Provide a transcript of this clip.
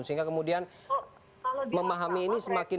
sehingga kemudian memahami ini semakin